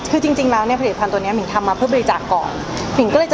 คือจริงนะตัวนี้ว่าผมทำมาเพื่อบริจาคก่อน